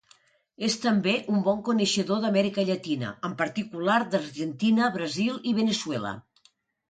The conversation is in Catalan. És també un bon coneixedor d'Amèrica Llatina, en particular d'Argentina, Brasil i Veneçuela.